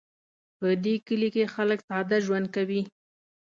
په دې کلي کې خلک ساده ژوند کوي